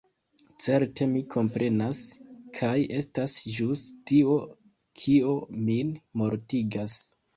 Certe mi komprenas: kaj estas ĵus tio, kio min mortigas.